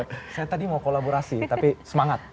saya tadi mau kolaborasi tapi semangat